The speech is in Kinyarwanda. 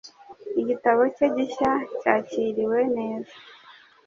Igitabo cye gishya cyakiriwe neza.